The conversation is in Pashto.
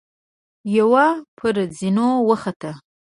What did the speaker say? يوه پر زينو وخته.